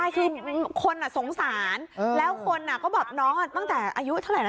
ใช่คือคนอ่ะสงสารแล้วคนอ่ะก็บอกน้องอ่ะตั้งแต่อายุเท่าไหร่นะ